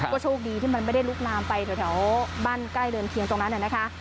ก็โชคดีที่มันไม่ได้ลุกลามไปแถวบ้านใกล้เดินเคียงตรงนั้นนะคะ